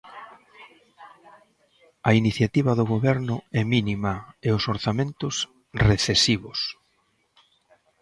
A iniciativa do Goberno é mínima e os orzamentos, recesivos.